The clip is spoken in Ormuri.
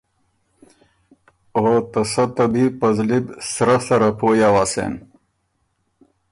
او ته سۀ ته بی په زلی بو سرۀ سره پویٛ اوسېن۔